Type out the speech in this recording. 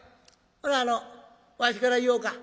ほなわしから言おうか。